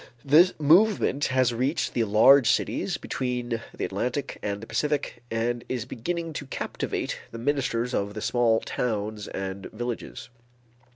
The movement has reached the large cities between the Atlantic and the Pacific and is beginning to captivate the ministers of the small towns and villages.